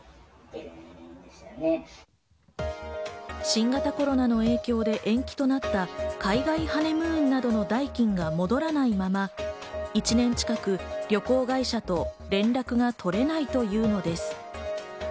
新型コロナの影響で延期となった海外ハネムーンなどの代金が戻らないまま１年近く旅行会社と連絡が取れないというのです。